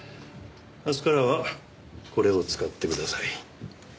明日からはこれを使ってください。